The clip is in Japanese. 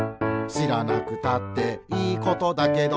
「しらなくたっていいことだけど」